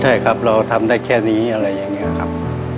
ใช่ครับเราทำได้แค่นี้อะไรอย่างนี้ครับ